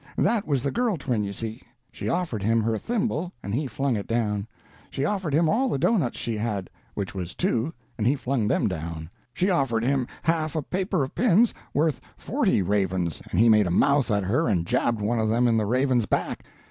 That was the girl twin, you see. She offered him her thimble, and he flung it down; she offered him all the doughnuts she had, which was two, and he flung them down; she offered him half a paper of pins, worth forty ravens, and he made a mouth at her and jabbed one of them in the raven's back.